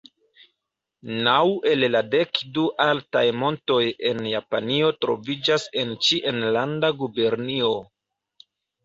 Naŭ el la dek du altaj montoj en Japanio troviĝas en ĉi enlanda gubernio.